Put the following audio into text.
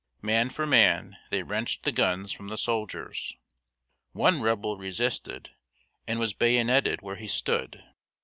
Man for man, they wrenched the guns from the soldiers. One Rebel resisted and was bayoneted where he stood.